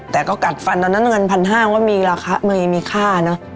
แต่ก็กัดฟันตอนนั้นเงิน๑๕๐๐ก็มีราคามีค่าเนอะ